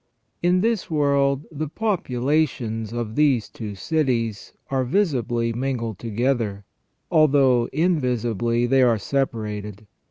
In this world the populations of these two cities are visibly mingled together, although invisibly they are separated.